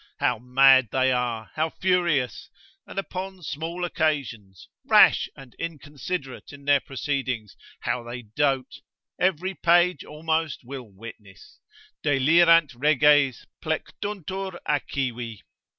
How mad they are, how furious, and upon small occasions, rash and inconsiderate in their proceedings, how they dote, every page almost will witness, ———delirant reges, plectuntur Achivi.